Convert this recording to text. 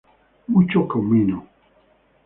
Mucho comino.